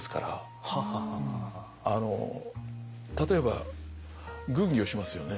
あの例えば軍議をしますよね。